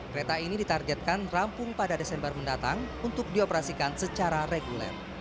kereta ini ditargetkan rampung pada desember mendatang untuk dioperasikan secara reguler